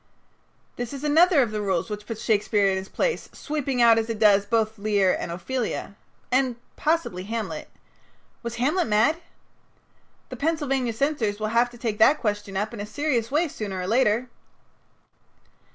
This is another of the rules which puts Shakespeare in his place, sweeping out, as it does, both Lear and Ophelia. And possibly Hamlet. Was Hamlet mad? The Pennsylvania censors will have to take that question up in a serious way sooner or later.